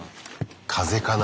風かな？